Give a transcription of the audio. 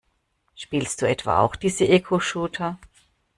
Spielst du etwa auch diese Egoshooter?